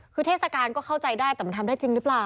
คือเทศกาลก็เข้าใจได้แต่มันทำได้จริงหรือเปล่า